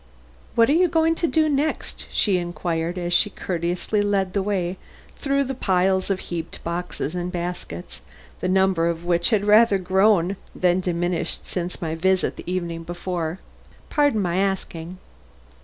"What are you going to do next?" she inquired, as she courteously led the way through the piles of heaped up boxes and baskets, the number of which had rather grown than diminished since my visit the evening before. "Pardon my asking."